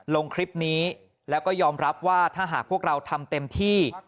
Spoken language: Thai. ลงคลิปนี้แล้วก็ยอมรับว่าถ้าหากพวกเราทำเต็มที่